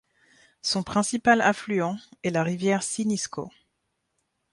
Son principal affluent est la rivière Cinisco.